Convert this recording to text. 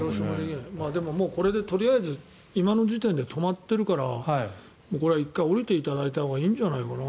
これでとりあえず今の時点で止まっているからこれは１回下りていただいたほうがいいんじゃないかな？